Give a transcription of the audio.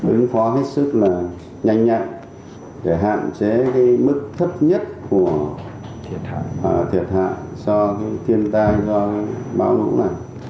ứng phó hết sức là nhanh nhạt để hạn chế mức thấp nhất của thiệt hại do thiên tai do bão lũ này